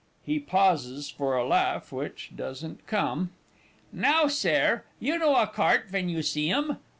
(He pauses for a laugh which doesn't come.) Now, Sare, you know a cart ven you see 'im?